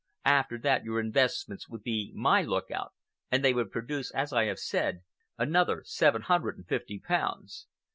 After that your investments would be my lookout, and they would produce, as I have said, another seven hundred and fifty pounds.